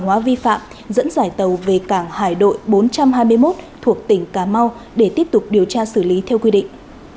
hóa vi phạm dẫn giải tàu về cảng hải đội bốn trăm hai mươi một thuộc tỉnh cà mau để tiếp tục điều tra xử lý theo quy định